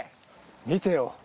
見てよ。